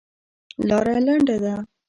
لاره لنډه ده.